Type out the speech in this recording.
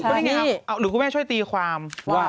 นี่ไงครับหรือคุณแม่ช่วยตีความว่า